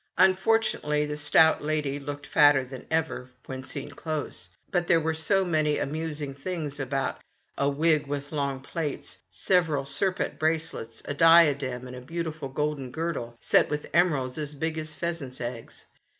Unfortunately, the stout lady looked fatter than ever when seen close, but there were so many amusing things about — a wig with long plaits, several serpent bracelets, a diadem, and a beautiful golden girdle set with emeralds as big as pheasants' eggs.